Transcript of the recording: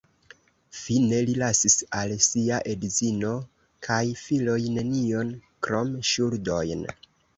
Fine li lasis al sia edzino kaj filoj nenion krom ŝuldojn.